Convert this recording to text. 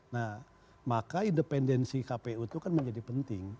nah maka independensi kpu itu kan menjadi penting